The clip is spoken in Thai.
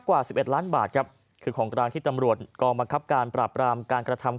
กว่า๑๑ล้านบาทครับคือของกลางที่ตำรวจกองบังคับการปราบรามการกระทำ